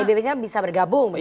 pdip bisa bergabung begitu